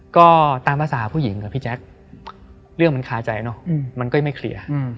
ก็ตามภาษาผู้หญิงอะพี่แจ๊คเรื่องมันคาใจเนอะมันก็ยังไม่เคลียร์